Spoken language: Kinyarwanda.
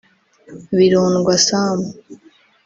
Birondwa Sam